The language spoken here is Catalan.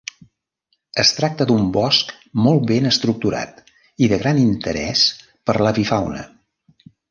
Es tracta d'un bosc molt ben estructurat i de gran interès per a l'avifauna.